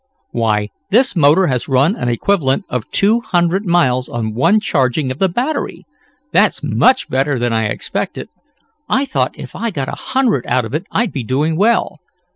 "Why this motor has run an equivalent of two hundred miles on one charging of the battery! That's much better than I expected. I thought if I got a hundred out of it I'd be doing well.